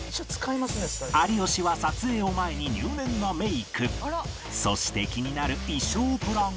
有吉は撮影を前にそして気になる衣装プランは